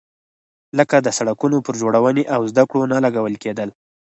لکه د سړکونو پر جوړونې او زده کړو نه لګول کېدل.